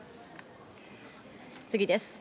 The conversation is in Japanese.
次です。